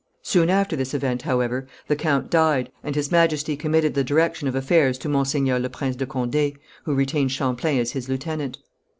Soon after this event, however, the count died, and His Majesty committed the direction of affairs to Monseigneur Le Prince de Condé, who retained Champlain as his lieutenant.